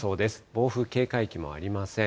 暴風警戒域もありません。